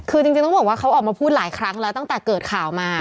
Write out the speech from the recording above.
คือจริงต้องบอกว่าเขาออกมาพูดหลายครั้งแล้วตั้งแต่เกิดข่าวมา